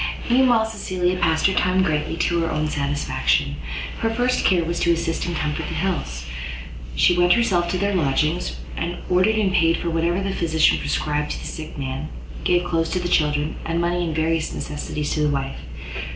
Meanwhile Cecilia passed her time greatly to her own satisfaction. Her first care was to assist and comfort the Hills. She went herself to their lodgings, ordered and paid for whatever the physician prescribed to the sick man, gave clothes to the children, and money and various necessaries to the wife.